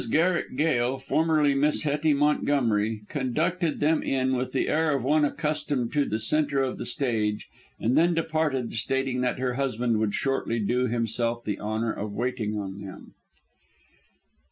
Garrick Gail, formerly Miss Hettie Montgomery, conducted them in with the air of one accustomed to the centre of the stage and then departed stating that her husband would shortly do himself the honour of waiting on them.